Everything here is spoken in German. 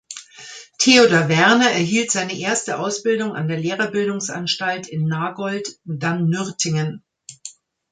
Theodor Werner erhielt seine erste Ausbildung an der Lehrerbildungsanstalt in Nagold, dann Nürtingen.